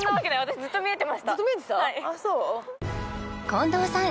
近藤さん